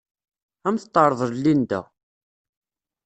Ad am-t-terḍel Linda.